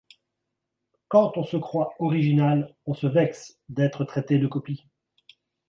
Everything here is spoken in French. Quand on se croit original, on se vexe d’être traité de copie.